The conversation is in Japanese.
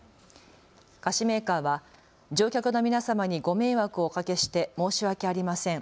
菓子メーカーは乗客の皆様にご迷惑をおかけして申し訳ありません。